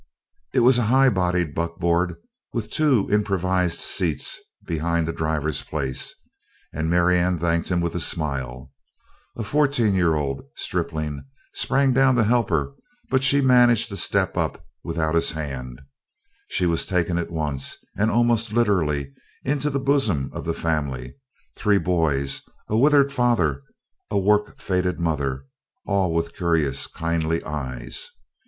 It was a high bodied buckboard with two improvised seats behind the driver's place and Marianne thanked him with a smile. A fourteen year old stripling sprang down to help her but she managed the step up without his hand. She was taken at once, and almost literally, into the bosom of the family, three boys, a withered father, a work faded mother, all with curious, kindly eyes.